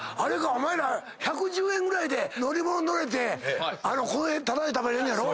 お前ら１１０円ぐらいで乗り物乗れてこれタダで食べれんのやろ？